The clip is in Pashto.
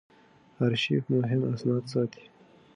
آرشیف مهم اسناد ساتي.